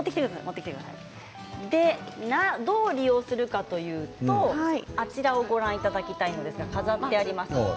どう利用するかというとあちらをご覧いただきたいんですが、飾ってあります。